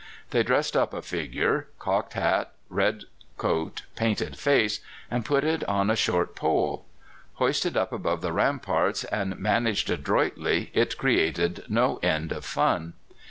They dressed up a figure cocked hat, red coat, painted face and put it on a short pole. Hoisted up above the ramparts and managed adroitly, it created no end of fun.